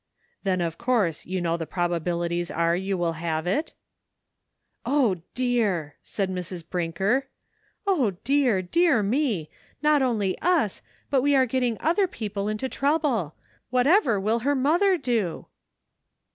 "Then of course you know the probabilities are you will have it?" " O, dear !" said Mrs. Brinker, " O, dear, dear me ! not only us, but we are getting other people into trouble ; whatever will her mother do?"